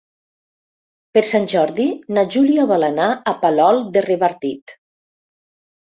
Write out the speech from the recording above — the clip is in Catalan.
Per Sant Jordi na Júlia vol anar a Palol de Revardit.